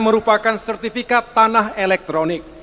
merupakan sertifikat tanah elektronik